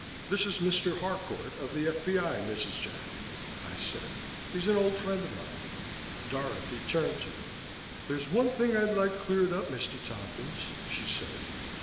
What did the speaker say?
"This is Mr. Harcourt of the F.B.I., Mrs. Jacklin," I said. "He's an old friend of mine." Dorothy turned to me. "There's one thing I'd like cleared up, Mr. Tompkins," she said.